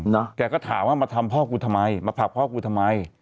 แกก็ถามว่ามาทำพ่อกูทำไมมาผลักพ่อกูทำไม